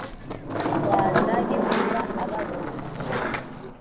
baza yehova ababona